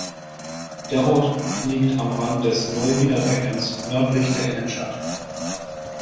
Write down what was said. Der Ort liegt am Rand des Neuwieder Beckens nördlich der Innenstadt.